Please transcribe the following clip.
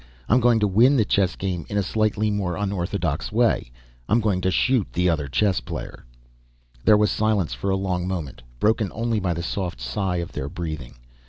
I'm going to win the chess game in a slightly more unorthodox way. I'm going to shoot the other chess player." There was silence for a long moment, broken only by the soft sigh of their breathing.